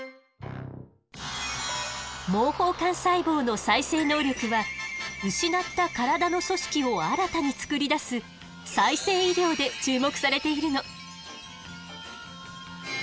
毛包幹細胞の再生能力は失った体の組織を新たに作り出す「再生医療」で注目されているの。